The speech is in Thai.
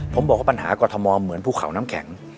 ผมบอกว่าปัญหากรทมเหมือนภูเขาน้ำแข็ง